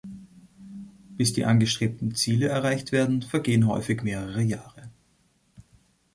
Bis die angestrebten Ziele erreicht werden, vergehen häufig mehrere Jahre.